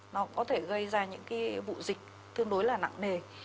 nó có thể gây ra những cái vụ dịch tương đối là nặng nề